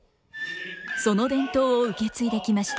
その伝統を受け継いできました。